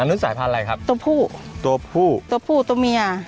อันนี้สายพันธุ์อะไรครับตัวผู้ตัวผู้ตัวผู้ตัวเมีย